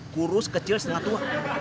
kurus kecil setengah tua